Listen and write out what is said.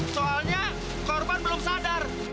soalnya korban belum sadar